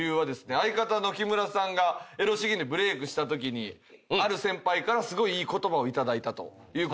相方の木村さんがエロ詩吟でブレークしたときにある先輩からすごいいい言葉を頂いたということで。